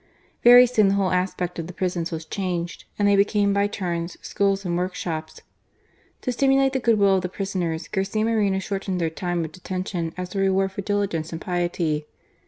Very soon the whole aspect of the prisons was changed, and they became, by turns, schools and workshops. To stimulate the goodwill of the prisoners, Garcia Moreno shortened their time of detention as a reward for diligence and piety.